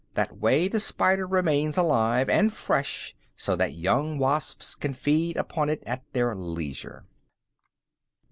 That way, the spider remains alive and fresh so that young wasps can feed upon it at their leisure."